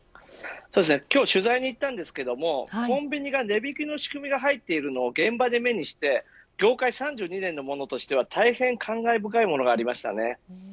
今日取材に行ったんですけどもコンビニが値引きの仕組みが入っているのを現場で目にして業界３２年の者としては大変感慨深いものがありました。